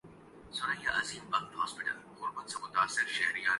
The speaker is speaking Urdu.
عروہ نے رنگریزا میں ثناء جاوید کی جگہ لے لی